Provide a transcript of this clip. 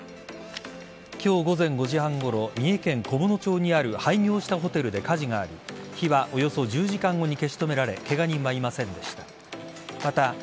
今日午前５時半ごろ三重県菰野町にある廃業したホテルで火事があり火はおよそ１０時間後に消し止められケガ人はいませんでした。